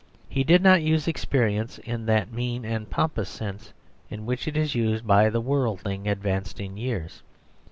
He did not use experience in that mean and pompous sense in which it is used by the worldling advanced in years.